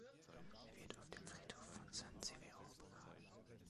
Er wird auf dem Friedhof von San Severo begraben.